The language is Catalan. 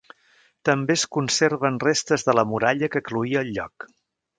També es conserven restes de la muralla que cloïa el lloc.